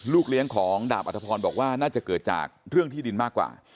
เลี้ยงของดาบอัธพรบอกว่าน่าจะเกิดจากเรื่องที่ดินมากกว่า